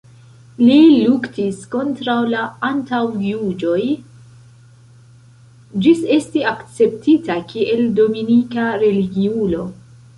Li luktis kontraŭ la antaŭjuĝoj ĝis esti akceptita kiel dominika religiulo.